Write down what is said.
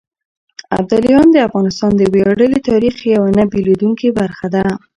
ابداليان د افغانستان د وياړلي تاريخ يوه نه بېلېدونکې برخه ده.